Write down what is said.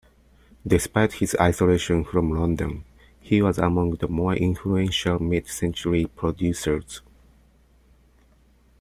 Despite his isolation from London, he was among the more influential mid-century producers.